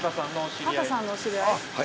◆畑さんのお知り合い。